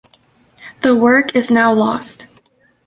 The work is now lost.